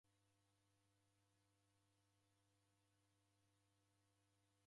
Ndeuko nyumbenyi, wafuma